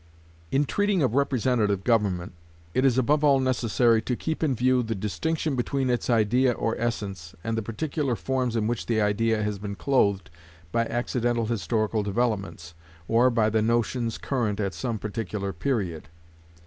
In treating of representative government, it is above all necessary to keep in view the distinction between its idea or essence, and the particular forms in which the idea has been clothed by accidental historical developments, or by the notions current at some particular period.